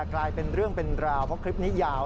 กลายเป็นเรื่องเป็นราวเพราะคลิปนี้ยาว